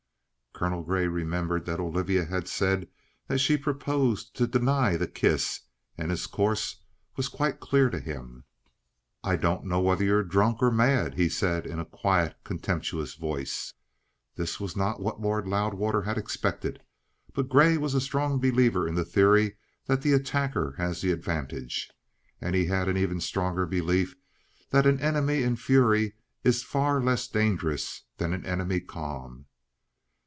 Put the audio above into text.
Colonel Grey remembered that Olivia had said that she proposed to deny the kiss, and his course was quite clear to him. "I don't know whether you're drunk, or mad," he said in a quiet, contemptuous voice. This again was not what Lord Loudwater had expected. But Grey was a strong believer in the theory that the attacker has the advantage, and he had an even stronger belief that an enemy in a fury is far less dangerous than an enemy calm.